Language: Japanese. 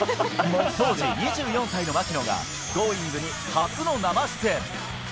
当時２４歳の槙野が、Ｇｏｉｎｇ！に初の生出演。